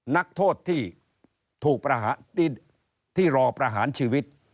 นักโทษที่รอประหารชีวิต